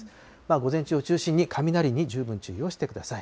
午前中を中心に、雷に十分注意をしてください。